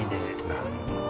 なるほど。